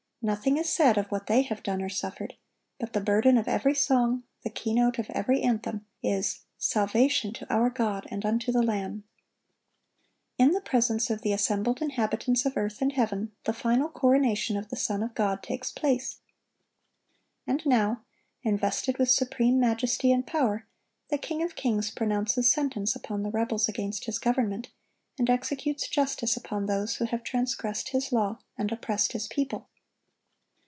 Nothing is said of what they have done or suffered; but the burden of every song, the keynote of every anthem, is, Salvation to our God, and unto the Lamb. In the presence of the assembled inhabitants of earth and heaven the final coronation of the Son of God takes place. And now, invested with supreme majesty and power, the King of kings pronounces sentence upon the rebels against His government, and executes justice upon those who have transgressed His law and oppressed His people.